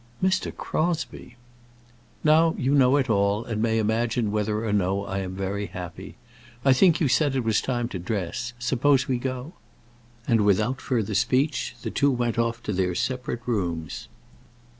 "Mr. Crosbie!" "Now you know it all, and may imagine whether or no I am very happy. I think you said it was time to dress; suppose we go?" And without further speech the two went off to their separate rooms.